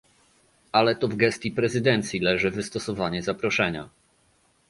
Ale to w gestii prezydencji leży wystosowanie zaproszenia